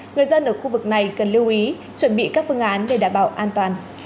người dân ở khu vực này cần lưu ý chuẩn bị các phương án để đảm bảo an toàn